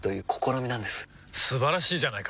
素晴らしいじゃないか！